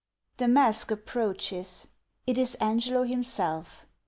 The mask approaches ; it is Angolo himself.